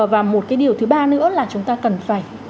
và một cái điều thứ ba nữa là chúng ta cần phải